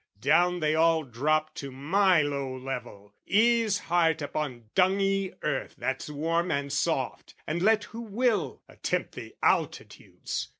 Down they all drop to my low level, ease Heart upon dungy earth that's warm and soft, And let who will, attempt the altitudes.